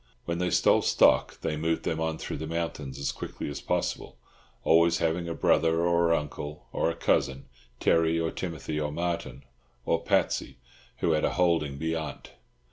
When they stole stock, they moved them on through the mountains as quickly as possible, always having a brother or uncle, or a cousin—Terry or Timothy or Martin or Patsy—who had a holding "beyant."